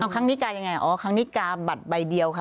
ครั้งนี้กายังไงอ๋อครั้งนี้กาบัตรใบเดียวค่ะ